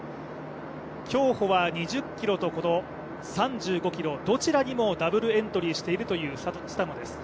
競歩は２０ｋｍと３５ｋｍ、どちらにもダブルエントリーしているというスタノです。